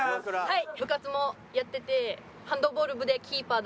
はい。